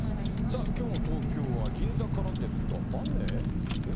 さあ、きょうの東京は銀座からですが、雨？